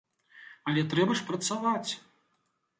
Але трэба ж працаваць!